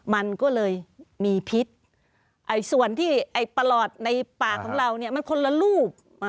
มันก็เลยมีพิษส่วนที่ไอ้ประหลอดในปากของเราเนี่ยมันคนละรูป